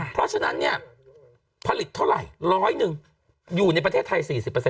เพราะฉะนั้นเนี่ยผลิตเท่าไหร่๑๐๐หนึ่งอยู่ในประเทศไทย๔๐